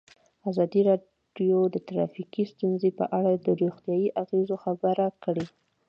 ازادي راډیو د ټرافیکي ستونزې په اړه د روغتیایي اغېزو خبره کړې.